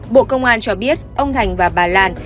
bộ công an cho biết ông thành và bà lan